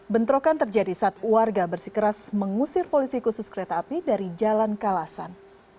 bentrokan terjadi saat warga bersikeras mengusir polisi khusus kereta api dari jalan kalasan